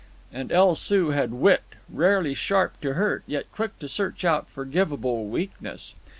And El Soo had wit—rarely sharp to hurt, yet quick to search out forgivable weakness.